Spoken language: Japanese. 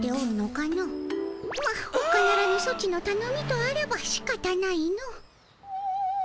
まほかならぬソチのたのみとあらばしかたないの。